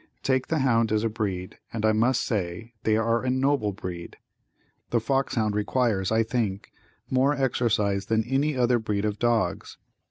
Take the hound as a breed and I must say they are a noble breed. The fox hound requires, I think, more exercise than any other breed of dogs.